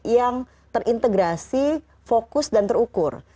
yang terintegrasi fokus dan terukur